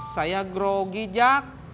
saya grogi jack